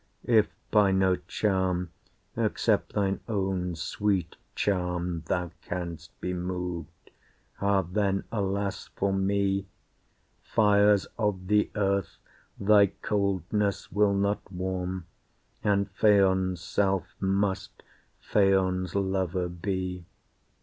If by no charm except thine own sweet charm Thou can'st be moved, ah then, alas, for me! Fires of the earth thy coldness will not warm, And Phaon's self must Phaon's lover be.